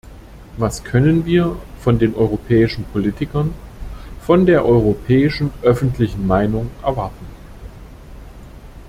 Was können wir von den europäischen Politikern, von der europäischen öffentlichen Meinung erwarten?